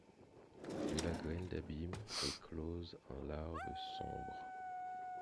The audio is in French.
De la graine d’abîme éclose en larves sombres